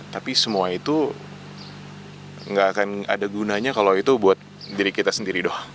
tapi semua itu nggak akan ada gunanya kalau itu buat diri kita sendiri dok